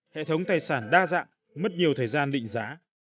hệ thống tài sản đa dạng mất nhiều thời gian định giá